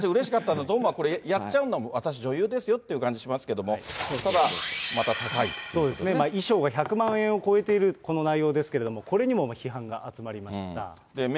だってこれ、やっちゃうんだもん、私、女優ですよといういって感じがしますけれども、衣装が１００万円を超えているこの内容ですけれども、これにも批判が集まりました。